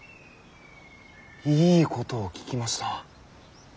いいことを聞きました。